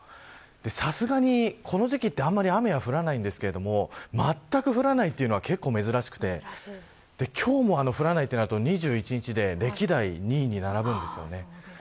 さすがに、この時期はあんまり雨が降りませんがまったく降らないというのは結構珍しくて今日も降らないとなると２２日で歴代２位に並びます。